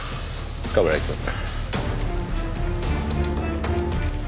冠城くん。